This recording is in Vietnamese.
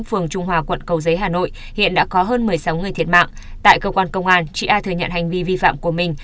phường trung hòa quận cầu giấy hà nội hiện đã có hơn một mươi sáu người thiệt mạng tại cơ quan công an chị a thừa nhận hành vi vi phạm của mình